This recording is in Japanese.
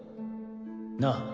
なあ